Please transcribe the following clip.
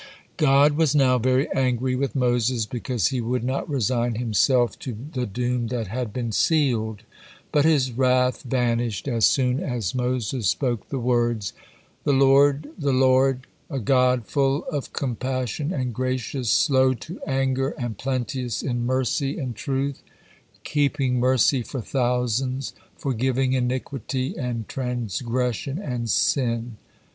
God was now very angry with Moses because he would not resign himself to the doom that had been sealed, but His wrath vanished as soon as Moses spoke the words: "The Lord, the Lord, a God full of compassion and gracious, slow to anger, and plenteous in mercy and truth; keeping mercy for thousands, forgiving iniquity and transgression and sin."